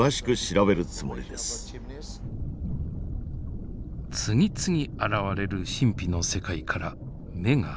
次々現れる神秘の世界から目が離せません。